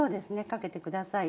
かけてください。